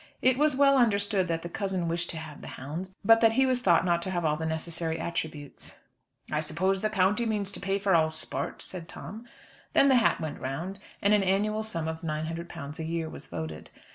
It was well understood that the cousin wished to have the hounds, but that he was thought not to have all the necessary attributes. "I suppose the county means to pay for all sport," said Tom. Then the hat went round, and an annual sum of £900 a year was voted.